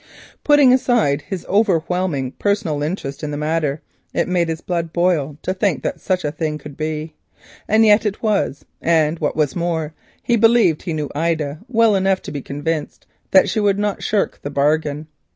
Putting aside his overwhelming personal interest in the matter, it made his blood boil to think that such a thing could be. And yet it was, and what was more, he believed he knew Ida well enough to be convinced that she would not shirk the bargain.